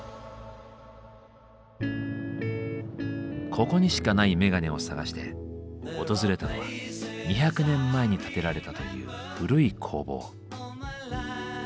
ここにしかないメガネを探して訪れたのは２００年前に建てられたという古い工房。